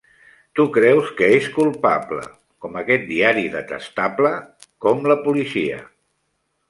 Tu creus que és culpable, com aquest diari detestable, com la policia.